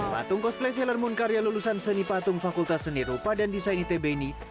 patung cosplace seller moon karya lulusan seni patung fakultas seni rupa dan desain itb ini